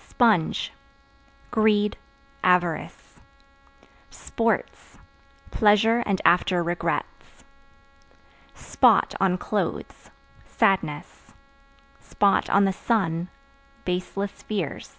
Sponge Greed, avarice. Sports Pleasure and after regrets. Spot (On clothes) sadness; (on the sun) baseless fears.